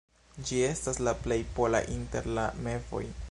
Ĝi estas la plej pola inter la mevoj.